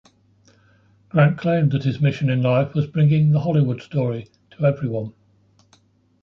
Grant claimed that his mission in life was bringing the Hollywood story to everyone.